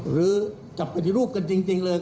หรือจับปฏิรูปกันจริงเลย